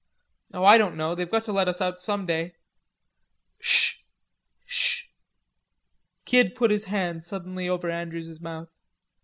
"Oh, I don't know; they've got to let us out some day." "Sh... sh...." Kid put his hand suddenly over Andrews's mouth.